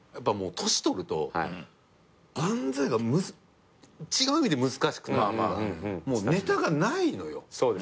年取ると漫才が違う意味で難しくなるというかもうネタがないのよ。